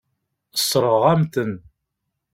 Sseṛɣeɣ-am-ten.